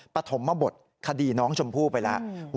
ปฐมบทคดีน้องชมพู่ไปแล้ว